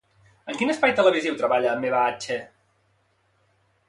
En quin espai televisiu treballa amb Eva Hache?